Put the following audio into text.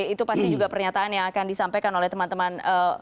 itu pasti juga pernyataan yang akan disampaikan oleh teman teman